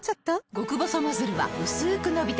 極細ノズルはうすく伸びて